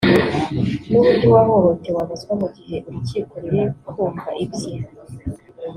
n’uburyo uwahohotewe abazwa mu gihe Urukiko ruri kumva ibye